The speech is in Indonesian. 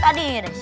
sini duduk bos